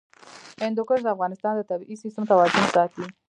هندوکش د افغانستان د طبعي سیسټم توازن ساتي.